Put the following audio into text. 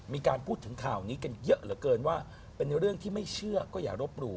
มีการพูดถึงข่าวนี้กันเยอะเหลือเกินว่าเป็นเรื่องที่ไม่เชื่อก็อย่ารบหลู่